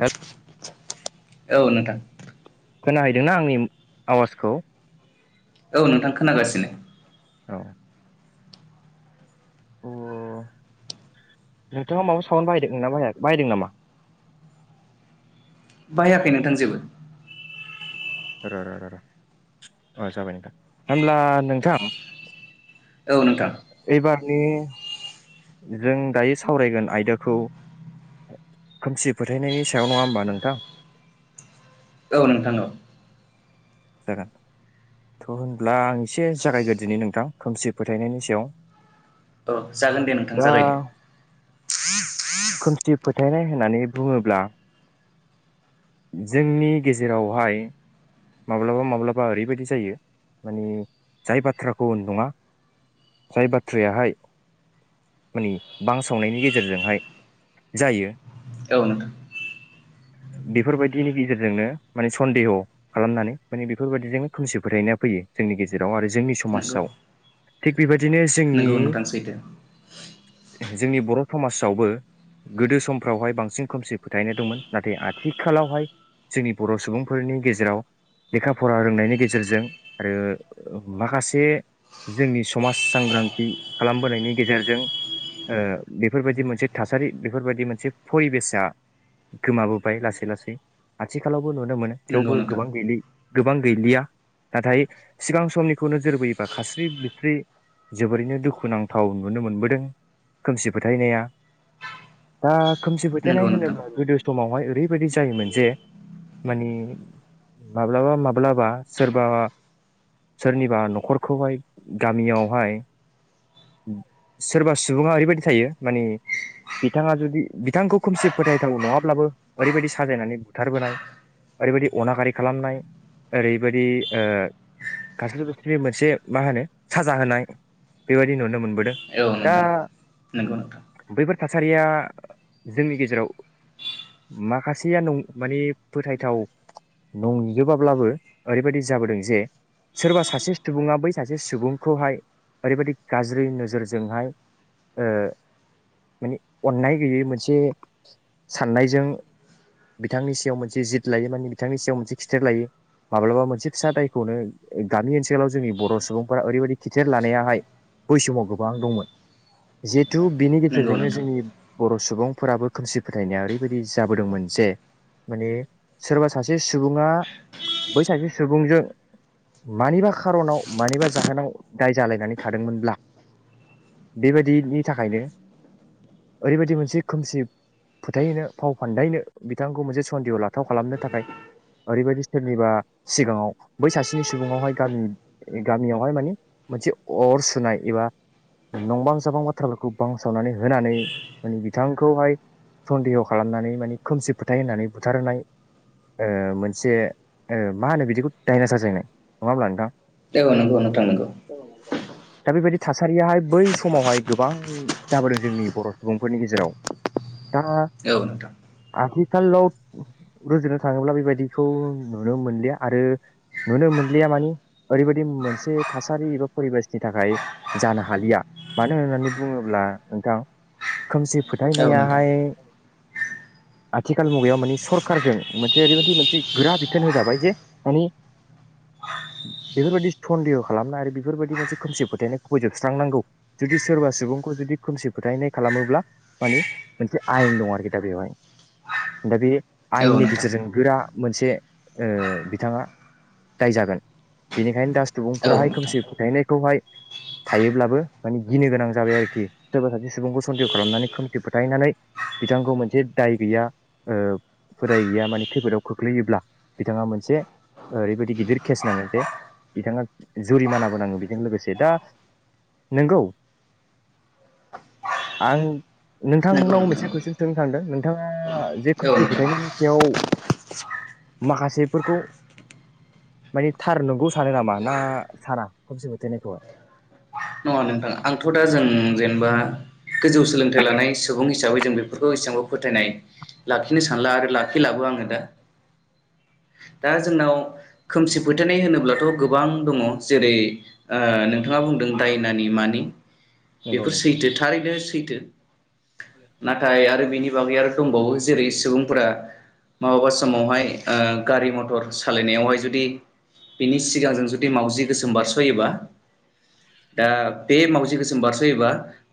हेल। औ नोंथां। खोनाहैदोंना आंनि आवाजखौ? औ नोंथां खोनागासिनो। औ। अह नोंथाङा माबा साउन बाहायदों बाहायदों नामा? बाहाखै नोंथां जेबो। र र र र अ जाबाय नोंथां होमब्ला नोंथां। औ नोंथां। एबारनि जों दायो सावरायगोन आयदाखौ, खोमसि फोथायनायनि सायाव नङा होमबा नोंथां? औ नोंथां औ। जागोन थ होनब्ला आं एसे जागायग्रो दि नोंथां खोमसि फोथायनायनि सायाव। औ जागोन दे नोंथां दा जागायदो। खोमसि फोथायनाय होननानै बुङोब्ला जोंनि गेजेरावहाय। माब्लाबा माब्लाबा ओरैबायदि जायो माने जाय बाथ्राखौ नङा जाय बाथ्रायाहाय माने बांसावनायनि गेजेरजोंहाय जायो। औ नोंथां। बेफोरबायदिनि गेजेरजोंनो माने सन्देह। खालामनानै माने बेफोरबायदिजोंनो खोमसि फोथायनाया फैयो, जोंनि गेजेराव आरो जोंनि नंगौ समाजाव। थिग बेबायदि दिनै जोंनि नंगौ नोंथां सैथो जोंनि बर समाजावबो गोदो समफ्रावहाय बांसिन खोमसि फोथायनाय दंमोन नाथाय आथिखालावहाय जोंनि बर सुबुंफोरनि गेजेराव। लेखा फरा रोंनायनि गेजेरजों आरो माखासे जोंनि समाज सांग्रांथि खालामबोनायनि गेजेरजों ओ बेफोरबायदि मोनसे थासारि बेफोरबायदि मोनसे फरिबेसा गोमाबोबाय लासै लासै आथिखालाव। नुनो मोनो नंगौ थेवबो नोंथां गोबां गैलिया, नाथाय सिगां समनिखौ नोजोर बयोबा खास्रि बिस्रि जोबोरैनो दुखु नांथाव नुनो मोनबोदों खोमसि फोथायनाया दा। खोमसि फोथायनाय नंगौ नोंथां होनोब्ला गोदो समाव बहाय ओरैबायदि जायोमोन जे, मानि माब्लाबा, माब्लाबा सोरबा सोरनिबा न'खरखौ हाय, गामियाव हाय, सोरबा सुबुङा औरैबायदि थायो माने, बिथांआ जूदि बिथांखौ खौमसि फोथायथाव नंआ बाबो, औरैबायदि साजायनानै बूथारबोनाय। औरैबायदि अनागारि खालामनाय, ओरैबायदि ओ खास्रि बिस्रि मोनसे मा होनो साजा होनाय बेबायदि नुनो मोनबोदों। औ दा। नोंथां नंगौ नोंथां बैफोर थासारिया जोंनि गेजेराव माखासेया नं माने फोथायथाव नंजोबाब्लाबो ओरैबायदि जाबोदों जे सोरबा सासे सुबुङा बै सासे सुबुंखौहाय ओरैबायदि गाज्रि नोजोरजोंहाय ओ माने अन्नाय गैयै मोनसे साननायजों बिथांनि सायाव मोनसे जित लायो माने बिथांनि सायाव मोनसे खिथेर लायो माब्लाबा मोनसे फिसा दायखौनो गामि ओनसोलाव जोंनि बर सुबुंफोरा ओरैबायाददि खिथेर लानायाहाय बै समाव गोबां दंमोन जिथ थु बिनि नंगौ गेजेरजोंनो नोंथां जोंनि बर' सुबुंफोराबो खोमसि फोथायनाया ओरैबायदि जाबोदोंमोन जे माने सोरब सासे सुबुङा बै सासे सुबुंजों मानिबा खार'नाव मानिबा जाहोनाव दाय जालायनानै थादोंमोनब्ला बेबायदिनि थाखायनो ओरैबायदि मोनसे खोमसि फोथायहोनो फाव फान्दायनो बिथांखौ मोनसे सन्देह लाथाव खालामनो थाखाय ओरैबायदि सोरनिबा सिगाङाव बै सासेनि सुबुंआवहाय गामि गामियावहाय माने मोनसे अर सुनाय एबा नंबां जाबां बाथ्राफोरखौ बांसावनानै होनानै माने बिथांखौहाय सन्देह खालामनानै माने खोमसि फोथाय होननानै बुथारहोनाय। ओ मोनसे ओ मा होनो बिदिखौ दायना साजायनाय नङा होमब्ला नोंथां? नंगौ नोंथां। दा बेबायदि थासारियाहाय बै समावहाय गोबां जाबोदों जोंनि बर सुबुंफोरनि गेजेराव। दा औ नोंथां। आथिखालाव रुजुनो था थाङोब्ला बेबायदिखौ नुनो मोनलिया आरो नुनो मोनलिया मानि ओरैबायदि मोनसे थासारि एबा परिबेसनि थाखाय जानो हालिया। मानो होननानै बुङोब्ला नोंथां खोमसि औ नोंथां औ नोंथां फोथायनायाहाय आथिखाल मुगायाव माने सरखारजों मोनसे ओरैबायदि मोनसे गोरा बिथोन होजाबाय जे मानि बेफोरबायदि सन्देह' खालामनाय आरो बेफोरबायदि मोनसे खोमसि फोथायनायखौ फैजोबस्रांनांगौ जुदि सोरबा सुबुंखौ जुदि खोमसि फोथायनाय खालामोब्ला मानि मोनसे आयेन दं आरोखि दा बेवहाय दा बे औ आयेननि नोंथां गेजेरजों गोरा मोनसे ओ बिथाङा दाय जागोन बेनिखायनो दास नंगौ सुबुंफोराहाय नोंथां खोमसि फोथायनाय खौहाय थायोब्लाबो माने गिनो गोनां जाबाय आरोखि सोरबा सासे सुबुंखौ सन्देह' खालामनानै खोमसि फोथायनानै बिथांखौ मोनसे दाय गैया ओ फो दाय गैया माने खैफोदाव खोख्लैयोब्ला बिथाङा मोनसे ओरैबायदि गिदिर केस नाङो जे बिथाङा जुरिमानाबोनाङो बेजों लोगोसे। दा नंगौ आं नोंथांनाव मोनसे कुइसन सोंनो थांदों नोंथाङा जे औ खोमसि नोंथां फोथायनायनि सायाव माखासेफोरखौ माने थार नंगौ सानो नामा ना साना खोमसि फोथायनायखौहाय? नङा नोंथां आंथ' दा जों जेनेबा गोजौ सोलोंथाइ लानाय सुबुं हिसाबै जों बेफोरखौ एसेबांबो फोथायनाय लाखिनो सानला आरो लाखिलाबो आङो दा। दा जोंनाव खोमसि फोथायनाय होनोब्लाथ' गोबां दङ जेरै ओ नोंथाङा बुंदों दायनानि मानि नंगौ बेफोर नोंथां, सैथो थारैनो सै थो। नाथाय आरो बेनि बागै आरो दंबावो जेरै सुबुंफोरा माबाबा समावहाय ओ गारि मथर सालायनायावहाय जुदि बिनि सिगांजों जुदि मावजि गोसोम बारस'योबा दा बे मावजि गोसोम बारस'योबा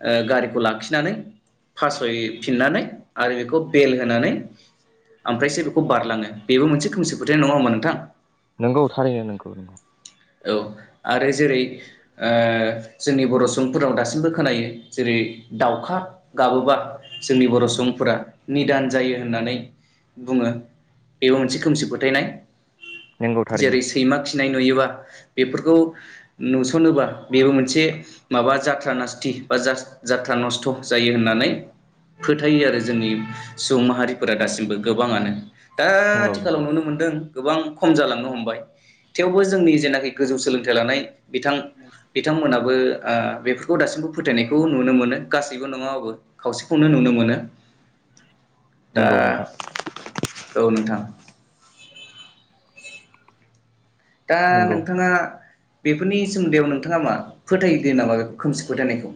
ओ गारिखौ लाखिनानै फासयफिननानै आरो बेखौ बेल होनानै ओमफ्रायसो बेखौ बारलाङो बेबो मोनसे खोमसि फोथायनाय। नङा होमबा नोंथां? नोंगौ थारैनो नोंगौ। औ आरो जेरै ओ जोंनि बर' सुबुंफोराव दासिमबो खोनायो। जेरै दावखा गाबोबा जोंनि बर' सुबुंफोरा निदान जायो होननानै बुङो। बेबो मोनसे खोमसि फोथायनाय। नंगौ थारैनो जेरै सैमा खिनाय नुयोबा बेफोरखौ नुस'नोबा बेबो मोनसे माबा जाथ्रा नासथि बा जाथ्रा नस्थ' जायो होननानै फोथायो आरो जोंनि सुबुं माहारिफोरा दासिमबो गोबाङानो। दा नंगौ आथिखालाव नंगौ नुनो मोनदों गोबां खम जालांनो हमबाय थेवबो जोंनि जेना गोजौ सोलोंथाइ लानाय बिथां बिथांमोनाबो ओ बेफोरखौ दासिमबो फोथायनायखौ नुनो मोनो गासैबो नंङाबाबो खावसेखौनो नुनो मोनो दा नंगौ नोंथां औ नोंथां दा नंगौ नोंथाङा बेफोरनि सोमोन्दैआव नोंथाङा मा फोथायदो नामा बे खोमसि फोथायनायखौ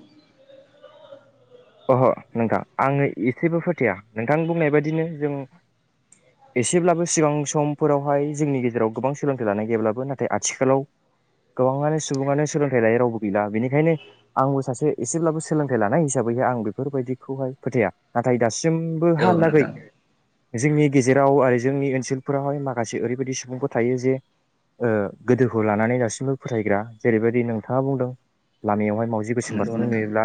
अहो नोंथां आङो एसेबो फोथाया नोंथां बुंनाय बायदिनो जों एसेब्लाबो सिगां समफोरावहाय जोंनि गेजेराव गोबां सोलोंथाइ लानाय गैयाब्लाबो नाथाय आथिखालाव गोबाङानो सुबुङानो सोलोंथाइ लायै रावबो गैला बेनिखायनो आंबो सासे एसेब्लाबो सोलोंथाइ लानाय हिसा साबैहाय आं बेफोरबायदिखौहाय फोथाया नाथाय दासि बो औ हालागै नोंथां जोंनि गेजेराव आरो जोंनि ओनसोलफोरावहाय माखासे ओरैबायदि सुबुंफोर थायो जे ओ गोदोखौ लानानै दासिमबो फोथायग्रा जेरैबायदि नोंथाङा बुंदों लामायावहाय मावजि गोसोम नंगौ बारसोमनाय नोंथां नुयोब्ला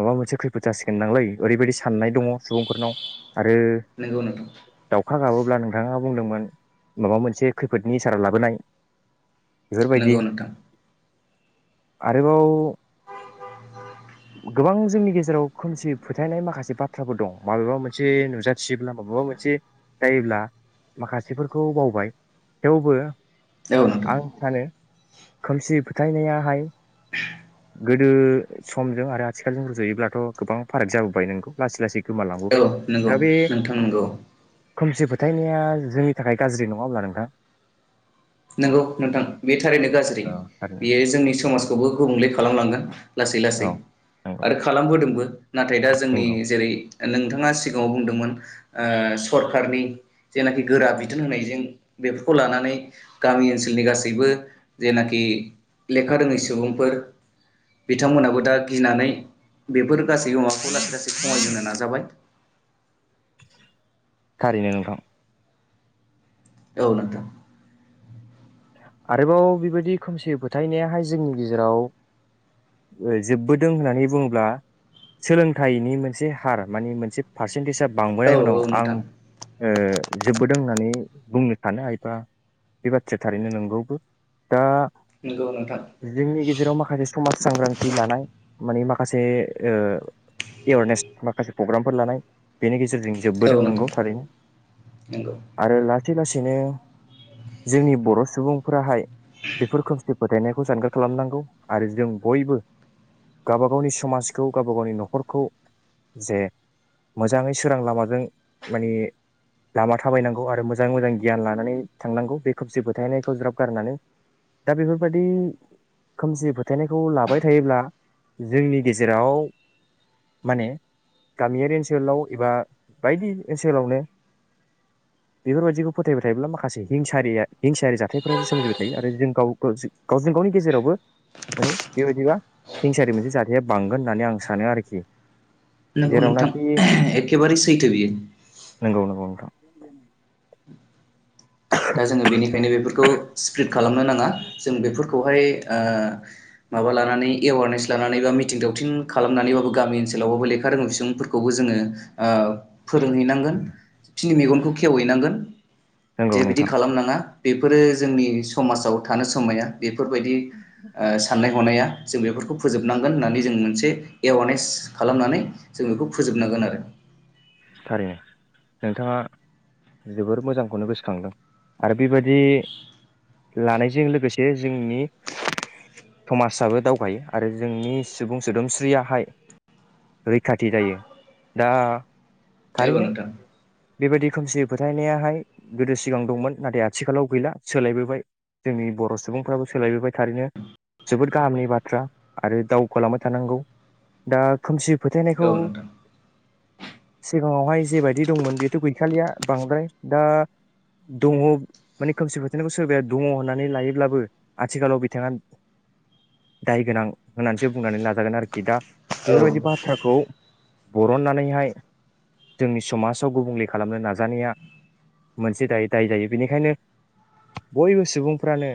माबा मोनसे खैफोद जासिगोनदांलै ओरैबायदि सा साननाय दंङ सुबुंफोरनाव आरो नंगौ नोंथां दाउ अखा गाबोब्ला नोंथाङा बुंदोंमोन माबा मोनसे खैफोदनि सारा लाबोनाय बेफोरबायदि नांगौ नोंथा आरोबाव गोबां जोंनि गेजेराव खोमसि फोथायनाय माखासे बाथ्राफोर दं माबेबा मोनसे नुजाथियोब्ला माबेबा मोनसे जायोब्ला माखासेफोरखौ बावबाय थेवबो औ नोंथां आं सानो खोमसि फोथायनायाहाय गोदो समजों आरो सिखालजों रजयोब्लाथ गोबां फाराग जाबोबाय नोंखौ लासै लासै गोमालांबोबाय औ नंगौ दा बे नोंथां नंगौ खोमसि फोथायनाया जोंनि थाखाय गाज्रि नंङा अब्ला नोंथां नंगौ नोंथां बे थारैनो गाज्रि औ थारैनो बेयो नोंथां जोंनि समाजखौबो गुबुंले खालामलांगोन लासै लासै औ नंगौ आरो खालामबोदोंबो नाथाय दा जोंनि नंगौ जेरै नोंथाङा सिगांङाव बुंदोंमोन ओ सरखारारनि जेनाखि गोरा बिथोन होनायजों बेफोरखौ लानानै गामि ओनसोलनि गासैबो जेनाखि लेखा रोङै सुबुंफोर बिथांमोनाबो दा गिनानै बेफोर गासै अमाखौ लासै लासै खमायहेननो नाजाबाय थारैनो नोंथां औ नोंथा [inaudible] आरोबाव बेबायदि खोमसि फोथायनायाहाय जोंनि गेजेराव जोबबोदों होननानै बुंङोब्ला सोलोंथाइनि मोनसे हार मानिे मोनसे पारसेन्टेजआ बांबोनाय औ उनाव औ आं नोंथां ओ जोबबोदों होननानै बुंनो सानो एबा बे बाथ्राया थारैनो नंगौबो दा नंगौ नोंथां जोंनि गेजेराव माखासे समाज सांग्रांथि लानाय मानि माखासे ओ एवारनेस माखासे प्रग्रामफोर लानाय बेनि गेजे जेरजों औ जोबबोदों नोंथां नंगौ थारैनो नंगौ आरो ला थेलासेनो जोंनि बर' सुबुंफोराहाय बेफोरखौ फोथायनायखौ जानगार खालामनांगौ आरो जों बयबो गावबा गावनि समाजखौ गावबा गावनि न'खरखौ जे मोजाङै सोरां लामाजों माने लामा थाबायनांगौ आरो मोजाङै मोजां गियान लानानै थांनांगौ बेखौ जोबोद फोथायनायखौ ज्राब गारनानै दा बेफोरबायदि खोमसि फोथायनायखौ लाबाय थायोब्ला जोंनि गेजेराव माने गामियारि ओनसोलाव एबा बायदि ओनसोलावनो बेफोरबायदिखौ फोथायबाय थायोब्ला माखासे हिंसारिया हिंसायारि जाथायफोराो सोमजिबाय थायो आरो जों गाव गावजों गावनि गेजेरावबो माने बेबायदिबा हिंसायारि मोनसे जाथाया बांगोन होननानै आं सानो आरोखि नंगौ नोंथां जेरावनाखि एखेबारे सैथो बियो। उ दा जोङो बेनिखायनो बेफोरखौ सिप्रिड खालामनो नाङा जों बेफोरखौहाय ओ माबा लानानै एवारनेस लानानै बा मिथिं दावथिं खालामनानैबाबो गामि ओनसोलावबाबो लेखा रोङै सुबुंफोरखौबो जोङो ओ फोरोंहैनांगोन फिनि मेगनखौ खेवहैनांगोन। नंगौ जे बिदि नोंथां खालामनाङा बेफोरो जोंनि समाजाव थानो समाया बे बेफोर बायदि साननाय हनाया जों बेफोरखौ फोजोबनांगोन होननानै जों मोनसे एवारनेस खालामनानै जों बेखौ फोजोबनांगोन आरो। थारैनो नोंथाङा जोबोर मोजांखौनो गोसोखांदों आरो बेबादि लानायजों लोगोसे जोंनि समाजाबो दावगायो आरो जोंनि सुबुं सोदोमस्रियाहाय रैखाथि जायो दा औ थारैनो नोंथां बेबायदि खोमसि फोथायनायाहाय गोदो सिगां दंमोन नाथाय आथिखालाव गैला सोलायबोबाय जोंनि बर' सुबुंफ्राबो सोलायबोबाय थारैनो जोबोद गाहामनि बाथ्रा आरो दावगालांबाय थानांगौ दा खोमसि औ फोथायनायखौ नोंथां सिगाङावहाय जेबायदि दंमोन बेथ' गैखालिया बांद्राय दा दङ माने खोमसि फोथायनायखौ सोरबाया दङ होननानै लायोब्लाबो आथिखालाव बिथाङा दाय गोनां होननानैसो बुंनानै लाजागोन आरोखि दा औ बेफोरबायदि बाथ्राखौ बरननानैहाय जोंनि समाजाव गुबुंले खालामनो नाजानाया मोनसे दायो दाय जायो बेनिखायनो बयबो सुबुंफ्रानो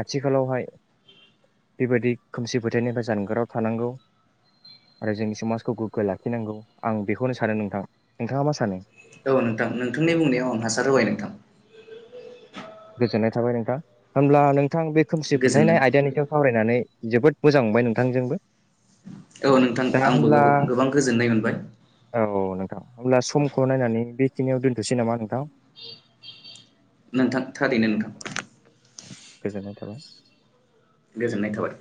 आथिखालावहाय बेबायदि खोमसि फोथायनिफ्राय जानगाराव थानांगौ आरो जोंनि समाजखौ गोग्गो लाखिनांगौ आं बेखौनो सा सानो नोंथां नोंथाङा मा सानो? औ नोंथां नोंथांनि बुंनायाव आं हासार होबाय नोंथां। गोजोननाय थाबाय नोंथां होमब्ला नोंथां बे खोमसि गोजोनदों फोथायनाय आयदानि सायाव सावरायनानै जोबोद मोजां मोनबाय नोंथांजोंबो। औ नोंथां दा आंबो होमब्ला गोबो गोबां गोजोननाय मोनबाय। अब्ला समखौ नायनानै बेखिनियाव दोनथ'सै नामा नोंथां? नोंथां थारैनो नोंथां। गोजोननाय थाबाय। गोजोननाय थाबाय।